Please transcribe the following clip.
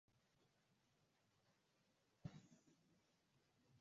aye amesema amepokea vitisho hivyo baada kukataa kupokea pesa ya kupanga